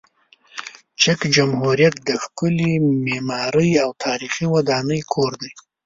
چک جمهوریت د ښکلې معماري او تاریخي ودانۍ کور دی.